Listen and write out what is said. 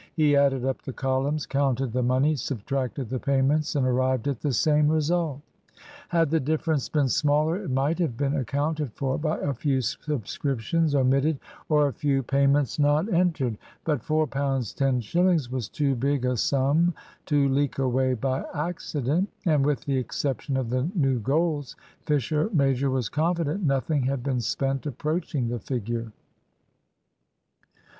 He added up the columns, counted the money, subtracted the payments and arrived at the same result. Had the difference been smaller, it might have been accounted for by a few subscriptions omitted or a few payments not entered. But £4 10 shillings was too big a sum to leak away by accident; and, with the exception of the new goals, Fisher major was confident nothing had been spent approaching the figure.